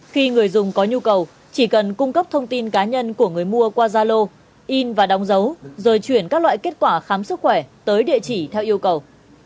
khi người dùng có nhu cầu chỉ cần cung cấp thông tin cá nhân của người mua qua gia lô in và đóng dấu rồi chuyển các loại kết quả khám sức khỏe tới địa chỉ theo yêu cầu